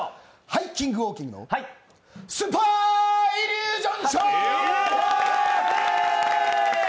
ハイキングウォーキングのスーパーイルージョンショー！！